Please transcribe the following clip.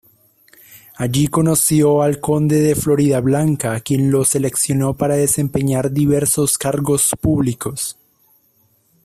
Allí conoció al Conde de Floridablanca, quien lo seleccionó para desempeñar diversos cargos públicos.